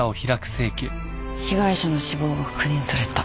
被害者の死亡が確認された。